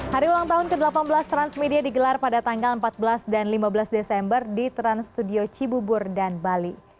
hari ulang tahun ke delapan belas transmedia digelar pada tanggal empat belas dan lima belas desember di trans studio cibubur dan bali